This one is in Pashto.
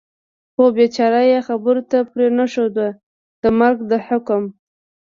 خو بېچاره یې خبرو ته پرېنښود، د مرګ د حکم.